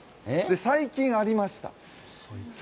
最近ありました。